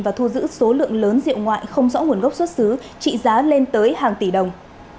và thu giữ số lượng lớn rượu ngoại không rõ nguồn gốc xuất xứ trị giá lên tới hàng tỷ đồng